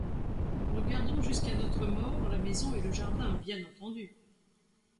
Nous gardons jusqu’à notre mort la maison et le jardin, bien entendu...